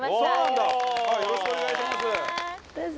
舛叩よろしくお願いします。